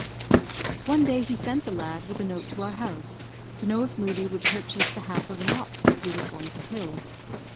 One day he sent the lad with a note to our house, to know if Moodie would purchase the half of an ox that he was going to kill.